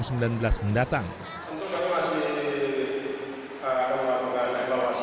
kami nanti akan berdiskusi dengan tim pelatih juga melibatkan tim berisi